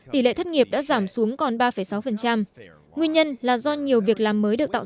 tỷ lệ thất nghiệp đã giảm xuống còn ba sáu nguyên nhân là do nhiều việc làm mới được tạo ra